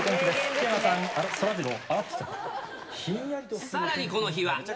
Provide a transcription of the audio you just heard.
木原さん、あら、そらジロー、さらにこの日は。